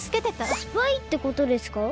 スパイってことですか？